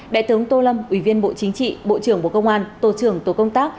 đại tướng tô lâm ủy viên bộ chính trị bộ trưởng bộ công an tổ trưởng tổ công tác